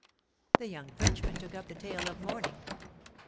The young Frenchman took up the tale of mourning.